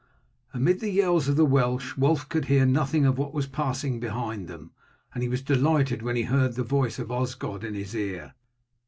Amid the yells of the Welsh Wulf could hear nothing of what was passing behind them, and he was delighted when he heard the voice of Osgod in his ear.